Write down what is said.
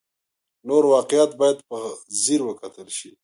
نور واقعیات باید په ځیر وکتل شي.